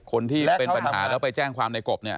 คนที่เป็นปัญหาแล้วไปแจ้งความในกบเนี่ย